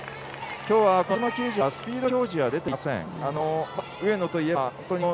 きょうは、あづま球場はスピード表示は出ていません。